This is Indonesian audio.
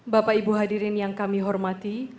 bapak ibu hadirin yang kami hormati